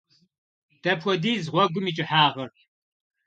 Дапхуэдиз гъуэгум и кӏыхьагъыр?